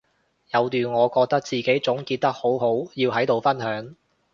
有段我覺得自己總結得好好要喺度分享